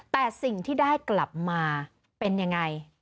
แต่สิ่งที่ได้กลับมาเป็นยังไง